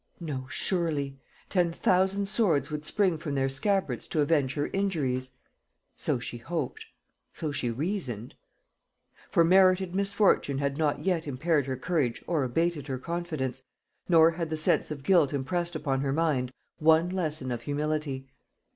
No surely, ten thousand swords would spring from their scabbards to avenge her injuries; so she hoped, so she reasoned; for merited misfortune had not yet impaired her courage or abated her confidence, nor had the sense of guilt impressed upon her mind one lesson of humility.